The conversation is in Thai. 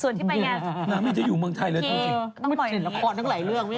น้ำนี่จะอยู่เมืองไทยเลยไม่เป็นละครทั้งหลายเรื่อง